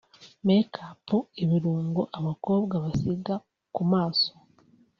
Make up ‘Ibirungo abakobwa basiga ku maso